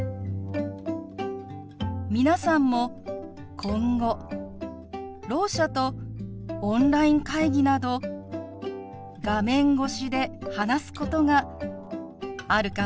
皆さんも今後ろう者とオンライン会議など画面越しで話すことがあるかもしれません。